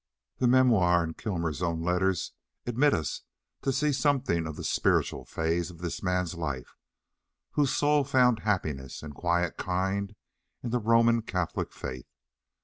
The memoir and Kilmer's own letters admit us to see something of the spiritual phases of this man's life, whose soul found "happiness and quiet kind" in the Roman Catholic faith.